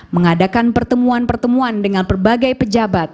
mengadakan pertemuan pertemuan dengan berbagai pejabat